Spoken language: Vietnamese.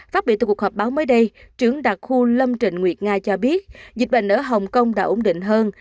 phát biểu tại cuộc họp báo mới đây trưởng đặc khu lâm trình nguyệt nga cho biết dịch bệnh ở hồng kông đã ổn định hơn